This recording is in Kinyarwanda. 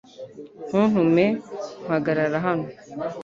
Ntuntume mpagarara hano .